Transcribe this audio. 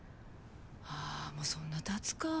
あもうそんな経つかぁ。